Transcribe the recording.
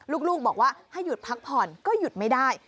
ลูกบอกว่าให้หยุดพักผ่อนก็หยุดไม่ได้